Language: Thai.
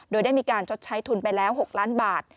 โดยได้มีการชดใช้ทุนไปแล้ว๖ล้านบาท